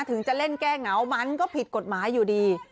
ถึงจะเล่นแก้เหงามันก็ผิดกฎหมายอยู่ดี